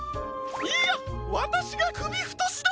いいやわたしがくびふとしだ！